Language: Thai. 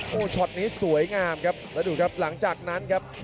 โอ้โหช็อตนี้สวยงามครับแล้วดูครับหลังจากนั้นครับ